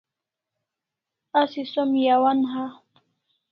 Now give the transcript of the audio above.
Asi som yawan ha